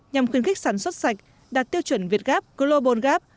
nhằm khuyến khích sản xuất sạch đạt tiêu chuẩn việt gap global gap